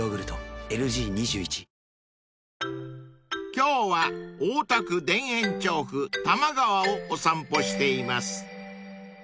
［今日は大田区田園調布多摩川をお散歩しています］